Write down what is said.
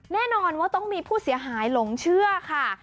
แน่นอนว่าต้องมีผู้เสียหายหลงเชื่อค่ะ